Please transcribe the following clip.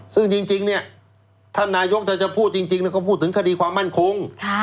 ซึ่งจริงเนี่ยท่านนายกถ้าจะพูดจริงก็พูดถึงคดีความมั่นคง